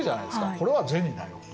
「これは銭だよ」と。